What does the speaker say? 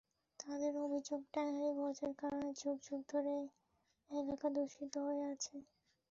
তাঁদের অভিযোগ, ট্যানারি বর্জ্যের কারণে যুগ যুগ ধরে এলাকা দূষিত হয়ে আছে।